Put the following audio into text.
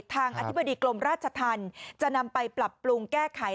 อธิบดีกรมราชธรรมจะนำไปปรับปรุงแก้ไข